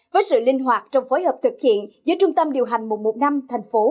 với sự linh hoạt trong phối hợp thực hiện giữa trung tâm điều hành một trăm một mươi năm thành phố